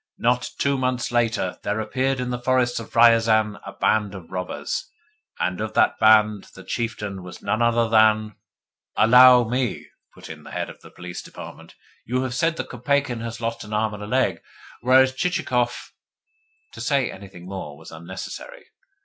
Not two months later there appeared in the forests of Riazan a band of robbers: and of that band the chieftain was none other than " "Allow me," put in the Head of the Police Department. "You have said that Kopeikin had lost an arm and a leg; whereas Chichikov " To say anything more was unnecessary.